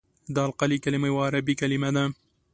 د القلي کلمه یوه عربي کلمه ده.